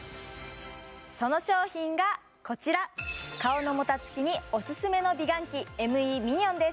その商品がこちら顔のもたつきにオススメの美顔器ＭＥミニョンです